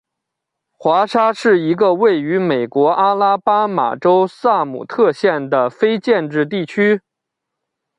华沙是一个位于美国阿拉巴马州萨姆特县的非建制地区。